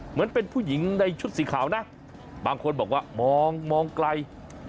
เหมือนเป็นผู้หญิงในชุดสีขาวนะบางคนบอกว่ามองไกล